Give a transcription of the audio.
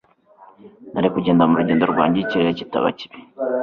nari kugenda mu rugendo rwanjye iyo ikirere kitaba kibi